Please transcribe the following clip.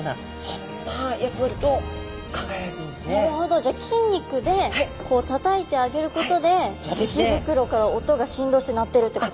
じゃあ筋肉でこうたたいてあげることで鰾から音が振動して鳴ってるってこと？